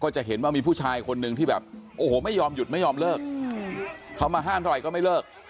เจ้าชื่อใส่